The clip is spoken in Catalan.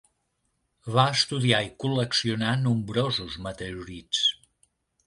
Va estudiar i col·leccionar nombrosos meteorits.